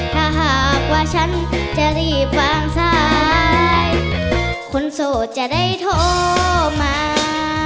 ถ้าหากว่าฉันจะรีบวางสายคนโสดจะได้โทรมา